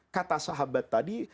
kata sahabat tadi